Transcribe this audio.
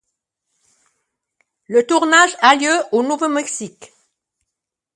Le tournage a lieu au Nouveau-Mexique.